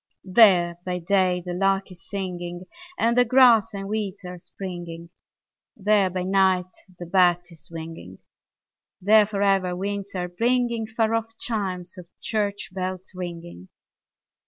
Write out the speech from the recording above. There by day the lark is singing And the grass and weeds are springing; There by night the bat is winging; There for ever winds are bringing Far off chimes of church bells ringing.